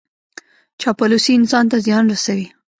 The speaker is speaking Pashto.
چاپلوسي انسان ته زیان رسوي.